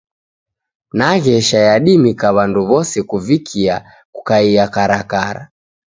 Naghesha yadimika w'andu w'ose kuvikia kukaia karakara.